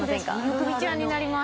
むくみちゃんになります